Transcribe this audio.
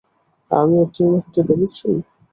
আমি উত্তীর্ণ হতে পেরেছি?